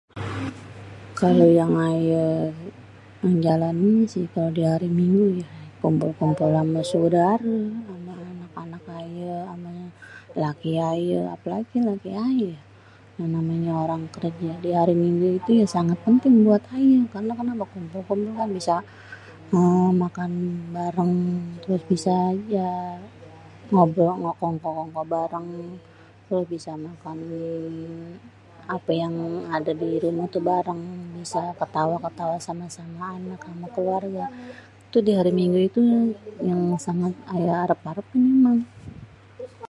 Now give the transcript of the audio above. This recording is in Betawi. Kalo yang aye jalanin sih, kalo di hari Minggu ya, kumpul-kumpul sama saudare, sama anak-anak aye, ama laki aye. Apalagi laki aye. Yang namanya orang kerja, di hari Minggu itu ya, sanget penting buat aye. Karena kenapa kumpul-kumpul kan bisa, eee makan bareng, terus bisa ya ngobrol, kongko-kongko bareng. Terus bisa makan ape yang ada di rumah tuh bareng, bisa ketawa-tawa sama-sama anak-anak ama keluarga. Tuh di hari Minggu itu yang sangat aye arep-arepin memang.